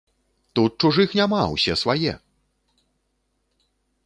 Тут чужых няма, усе свае!